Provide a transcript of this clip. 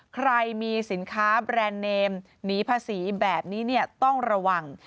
ใครมีสินค้าแบรนด์เนมหนีภาษีแบบนี้ต้องระวัง